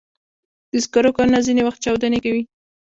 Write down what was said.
د سکرو کانونه ځینې وختونه چاودنې کوي.